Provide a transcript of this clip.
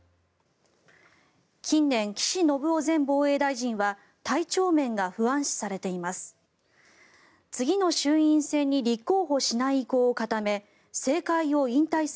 近年、岸信夫前防衛大臣は体調面が不安視されています。